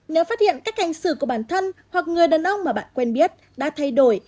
nếu phát hiện cách hành xử của bản thân hoặc người đàn ông mà bạn quen biết đã thay đổi